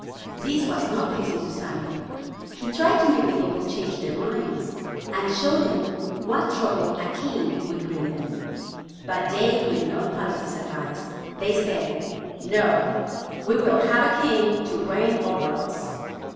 This was not pleasing to Samuel. He tried to make the people change their minds, and showed them what trouble a king would bring them. But they would not follow his advice. They said: "No; we will have a king to reign over us."